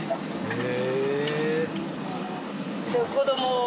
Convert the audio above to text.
へえ！